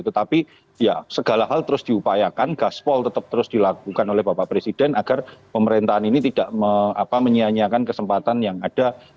tetapi ya segala hal terus diupayakan gaspol tetap terus dilakukan oleh bapak presiden agar pemerintahan ini tidak menyianyiakan kesempatan yang ada